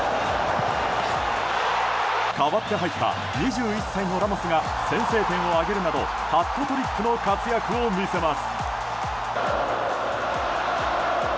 代わって入った２１歳のラモスが先制点を挙げるなどハットトリックの活躍を見せます。